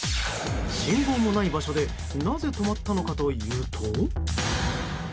信号もない場所でなぜ止まったのかというと。